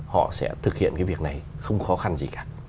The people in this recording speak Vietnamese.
họ sẽ thực hiện cái việc này không khó khăn gì cả